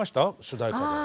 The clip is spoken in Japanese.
主題歌で。